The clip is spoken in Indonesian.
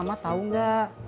ma tahu nggak